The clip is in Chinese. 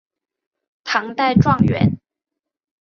唐代状元。